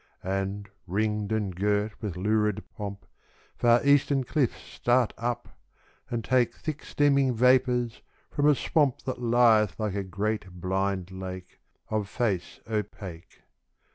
And, ringed and girt with lurid pomp, Far eastern cliffs start up, and take Thick steaming vapours from a swamp That lieth like a great blind lake, Of face opaque.